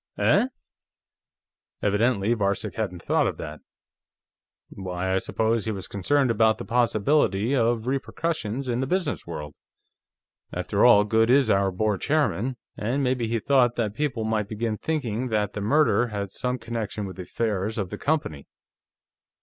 "Eh?" Evidently Varcek hadn't thought of that. "Why, I suppose he was concerned about the possibility of repercussions in the business world. After all, Goode is our board chairman, and maybe he thought that people might begin thinking that the murder had some connection with the affairs of the company."